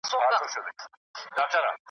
د خدای ساتنه .